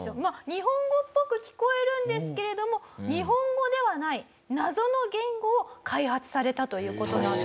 日本語っぽく聞こえるんですけれども日本語ではない謎の言語を開発されたという事なんですよね。